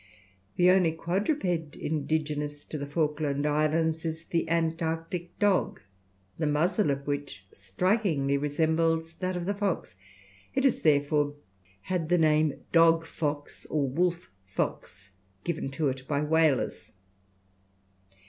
The only quadruped indigenous to the Falkland Islands is the Antarctic dog, the muzzle of which strikingly resembles that of the fox. It has therefore had the name dog fox, or wolf fox, given to it by whalers.